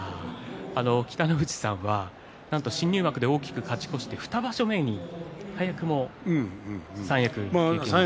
北の富士さんはなんと新入幕で大きく勝ち越して２場所目で早くも三役。